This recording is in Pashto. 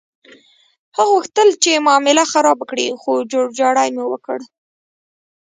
هغه غوښتل چې معامله خرابه کړي، خو جوړجاړی مو وکړ.